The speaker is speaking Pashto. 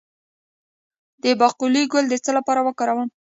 د باقلي ګل د څه لپاره وکاروم؟